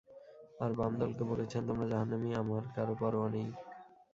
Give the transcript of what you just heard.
আর বাম দলকে বলেছেন, তোমরা জাহান্নামী, আমার কারো পরোয়া নেই।